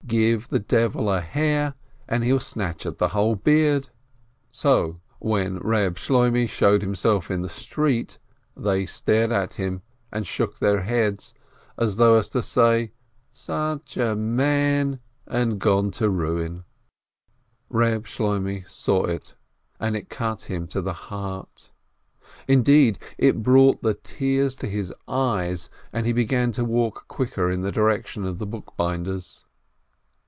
Give the devil a hair, and he'll snatch at the whole beard. So when Eeb Shloimeh showed himself in the street, they stared at him and shook their heads, as though to say, "Such a man — and gone to ruin !" Eeb Shloimeh saw it, and it cut him to the heart. Indeed, it brought the tears to his eyes, and he began to walk quicker in the direction of the bookbinder's.